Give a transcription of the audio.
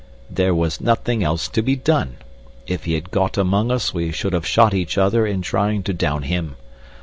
"There was nothin' else to be done. If he had got among us we should have shot each other in tryin' to down him.